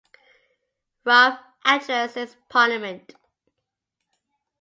Ralph addresses Parliament.